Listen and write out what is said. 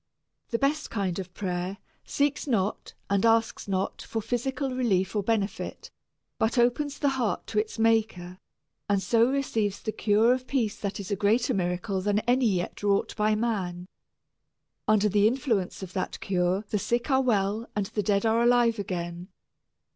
The best kind of prayer seeks not and asks not for physical relief or benefit, but opens the heart to its maker, and so receives the cure of peace that is a greater miracle than any yet wrought by man. Under the influence of that cure the sick are well and the dead are alive again.